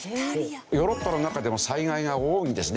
ヨーロッパの中でも災害が多いんですね。